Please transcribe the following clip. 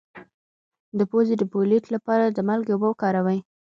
د پوزې د پولیت لپاره د مالګې اوبه وکاروئ